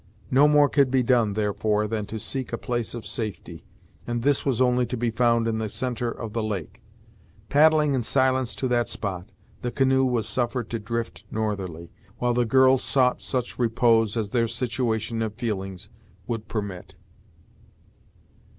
No more could be done, therefore, than to seek a place of safety; and this was only to be found in the centre of the lake. Paddling in silence to that spot, the canoe was suffered to drift northerly, while the girls sought such repose as their situation and feelings would permit.